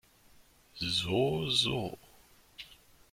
So, so.